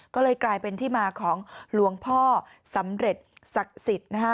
ก็เลยกลายเป็นที่มาของหลวงพ่อสำเร็จศักดิ์สิทธิ์นะฮะ